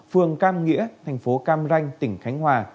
phường cam nghĩa thành phố cam ranh tỉnh khánh hòa